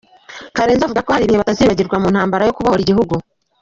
Karenzi avuga ko hari ibihe batazibagirwa mu ntambara yo kubohora igihugu.